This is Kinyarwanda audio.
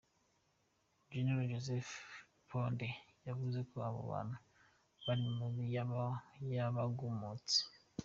Generali Joseph Ponde yavuze ko abo bantu bari mu migwi y'abagumutsi.